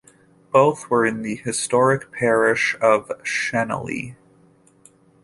Both were in the historic parish of 'Shenley'.